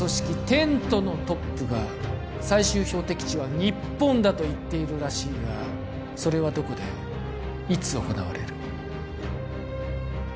テントのトップが最終標的地は日本だと言っているらしいがそれはどこでいつ行われる？